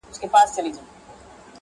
د انسانانو په جنګ راغلې!